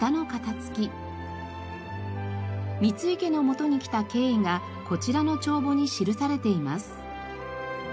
三井家の元に来た経緯がこちらの帳簿に記されています。